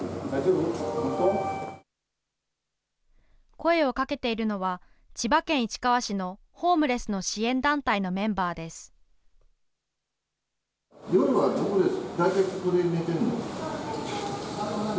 声をかけているのは、千葉県市川市のホームレスの支援団体のメンバーです。